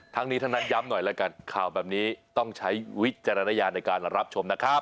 ทั้งนี้ทั้งนั้นย้ำหน่อยแล้วกันข่าวแบบนี้ต้องใช้วิจารณญาณในการรับชมนะครับ